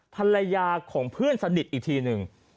ภรรยาของเพื่อนสนิทอีกทีหนึ่ง